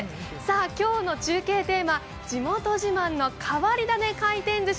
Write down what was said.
今日の中継テーマ、地元自慢の変わりダネ回転寿司。